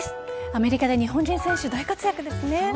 アメリカで日本人選手が大活躍ですね。